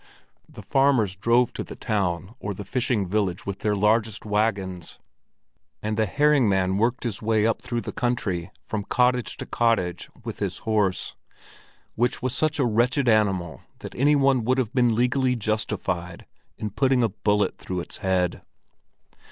The farmers drove to the town or the fishing village with their largest wagons, and the herring man worked his way up through the country from cottage to cottage with his horse, which was such a wretched animal that any one would have been legally justified in putting a bullet through its head.